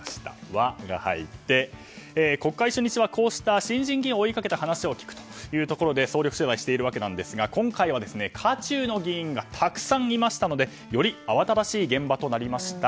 「ワ」が入って国会初日はこうした新人議員を追って話を聞くという総力取材しているわけですが今回は渦中の議員がたくさんいましたのでより慌ただしい現場となりました。